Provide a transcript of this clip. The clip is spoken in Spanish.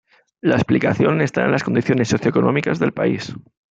La explicación está en las condiciones socioeconómicas del país.